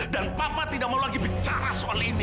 papa tidak mau lagi bicara soal ini